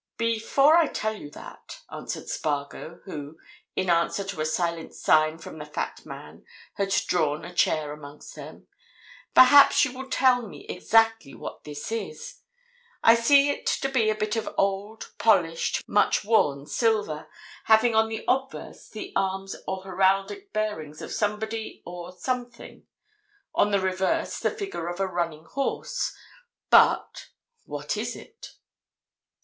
"Before I tell you that," answered Spargo, who, in answer to a silent sign from the fat man had drawn a chair amongst them, "perhaps you will tell me exactly what this is? I see it to be a bit of old, polished, much worn silver, having on the obverse the arms or heraldic bearings of somebody or something; on the reverse the figure of a running horse. But—what is it?"